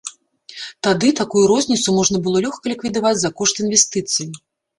Тады такую розніцу можна было лёгка ліквідаваць за кошт інвестыцый.